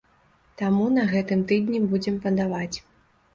Таму на гэтым тыдні будзем падаваць.